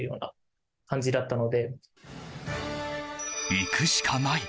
行くしかない！